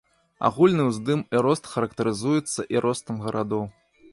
Агульны ўздым і рост характарызуецца і ростам гарадоў.